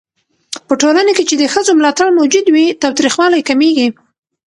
په ټولنه کې چې د ښځو ملاتړ موجود وي، تاوتريخوالی کمېږي.